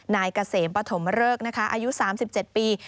นายกะเสมปฐมเริกอายุ๓๗ปี